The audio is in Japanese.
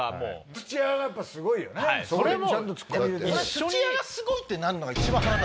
「土屋がすごい」ってなるのが。